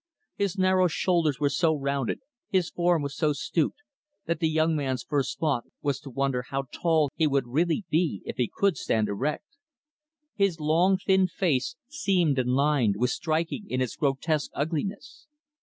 His narrow shoulders were so rounded, his form was so stooped, that the young man's first thought was to wonder how tall he would really be if he could stand erect. His long, thin face, seamed and lined, was striking in its grotesque ugliness.